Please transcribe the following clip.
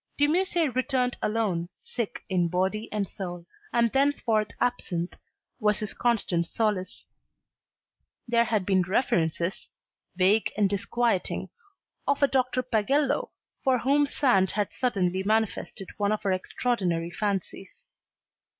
De Musset returned alone, sick in body and soul, and thenceforth absinthe was his constant solace. There had been references, vague and disquieting, of a Dr. Pagello for whom Sand had suddenly manifested one of her extraordinary fancies.